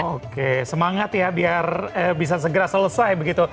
oke semangat ya biar bisa segera selesai begitu